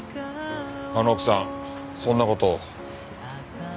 あの奥さんそんな事を。